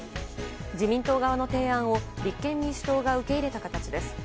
自民党側の提案を立憲民主党が受け入れた形です。